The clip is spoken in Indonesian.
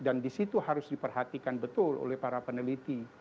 dan di situ harus diperhatikan betul oleh para peneliti